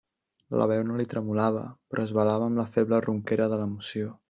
La veu no li tremolava, però es velava amb la feble ronquera de l'emoció.